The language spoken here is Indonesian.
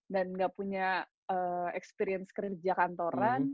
dan gak punya experience kerja kantoran